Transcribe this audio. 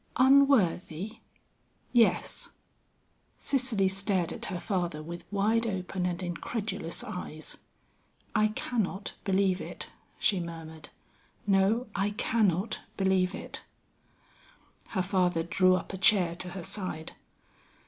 "Unworthy?" "Yes." Cicely stared at her father with wide open and incredulous eyes. "I cannot believe it," she murmured; "no, I cannot believe it." Her father drew up a chair to her side.